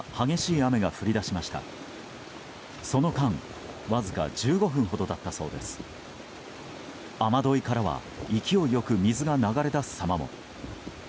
雨どいからは勢いよく水が流れ出すさまも。